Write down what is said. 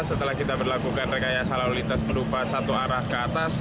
setelah kita berlakukan rekayasa lalu lintas berupa satu arah ke atas